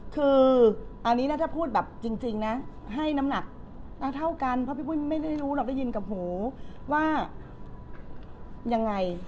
คืออันนี้ถ้าพูดแบบจริงนะให้น้ำหนักเท่ากันเพราะพี่ปุ้ยไม่ได้รู้หรอกได้ยินกับหูว่ายังไง